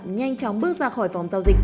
nhanh chóng bước ra khỏi phòng giao dịch